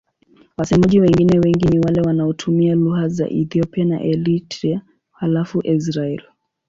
Wasemaji wengine wengi ni wale wanaotumia lugha za Ethiopia na Eritrea halafu Israel.